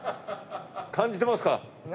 感じてますか？